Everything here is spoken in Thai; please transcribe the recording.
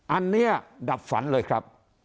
อันนี้ดับฝันเลยครับ